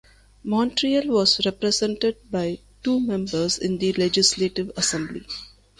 Montreal was represented by two members in the Legislative Assembly.